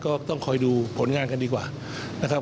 ก็ต้องคอยดูผลงานกันดีกว่านะครับ